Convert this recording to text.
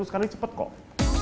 tiga ratus kali cepat kok